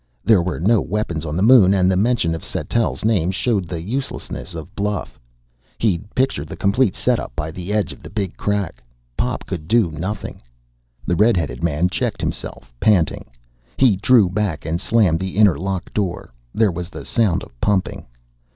There were no weapons on the Moon and the mention of Sattell's name showed the uselessness of bluff. He'd pictured the complete set up by the edge of the Big Crack. Pop could do nothing. The red headed man checked himself, panting. He drew back and slammed the inner lock door. There was the sound of pumping.